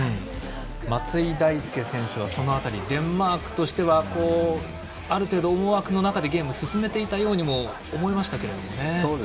松井大輔選手は、その辺りデンマークとしてはある程度、思惑の中でゲームを進めていたようにも思えましたけれどもね。